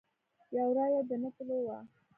یو رایه د نه تلو وه.